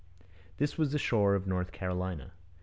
This was the shore of North Carolina.